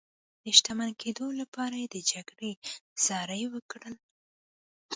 د شتمن کېدو لپاره یې د جګړې زړي وکرل.